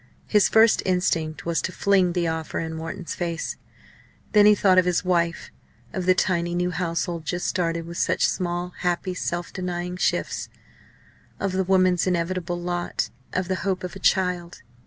His first instinct was to fling the offer in Wharton's face. Then he thought of his wife; of the tiny new household just started with such small, happy, self denying shifts; of the woman's inevitable lot, of the hope of a child.